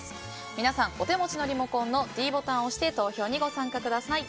皆さん、お手持ちのリモコンのｄボタンを押して投票にご参加ください。